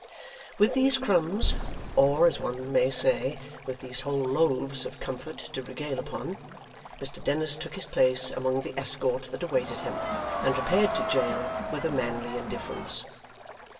With these crumbs, or as one may say, with these whole loaves of comfort to regale upon, Mr Dennis took his place among the escort that awaited him, and repaired to jail with a manly indifference.